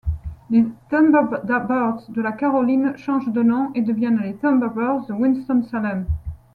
Les Thunderbirds de la Caroline changent de nom et deviennent les Thunderbirds de Winston-Salem.